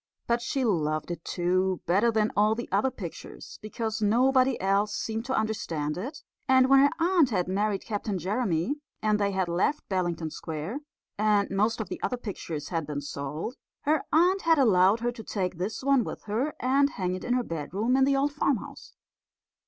But she loved it too, better than all the other pictures, because nobody else seemed to understand it; and when her aunt had married Captain Jeremy, and they had left Bellington Square, and most of the other pictures had been sold, her aunt had allowed her to take this one with her and hang it in her bedroom in the old farmhouse.